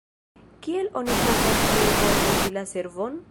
Kiel oni povas plej bone uzi la servon?